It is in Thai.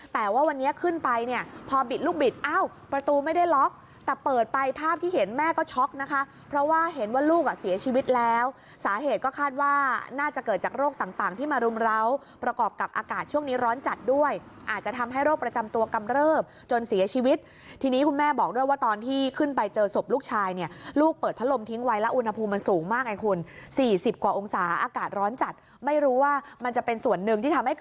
แต่ว่าวันนี้ขึ้นไปเนี่ยพอบิดลูกบิดเอ้าประตูไม่ได้ล็อกแต่เปิดไปภาพที่เห็นแม่ก็ช็อกนะคะเพราะว่าเห็นว่าลูกเสียชีวิตแล้วสาเหตุก็คาดว่าน่าจะเกิดจากโรคต่างที่มารุงราวประกอบกับอากาศช่วงนี้ร้อนจัดด้วยอาจจะทำให้โรคประจำตัวกำเริบจนเสียชีวิตทีนี้คุณแม่บอกด้วยว่าตอนที่ขึ้นไปเจอ